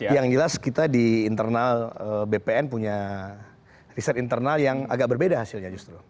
yang jelas kita di internal bpn punya riset internal yang agak berbeda hasilnya justru